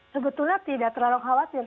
sebetulnya tidak terlalu khawatir